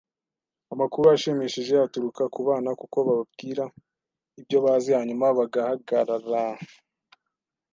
Amakuru ashimishije aturuka kubana, kuko babwira ibyo bazi hanyuma bagahagarara.